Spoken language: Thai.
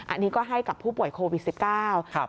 อันนี้ก็ให้กับผู้ป่วยโควิด๑๙